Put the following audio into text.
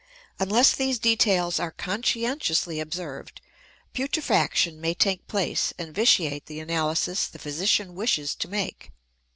Unless these details are conscientiously observed, putrefaction may take place and vitiate the analysis the physician wishes to make.